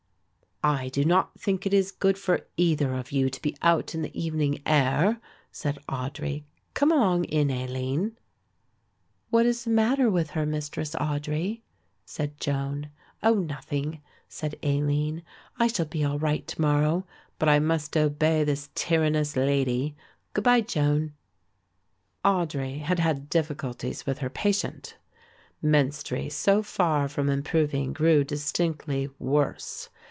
"I do not think it is good for either of you to be out in the evening air," said Audry. "Come along in, Aline." "What is the matter with her, Mistress Audry?" said Joan. "Oh, nothing," said Aline; "I shall be all right to morrow, but I must obey this tyrannous lady; good bye, Joan." Audry had had difficulties with her patient. Menstrie so far from improving grew distinctly worse.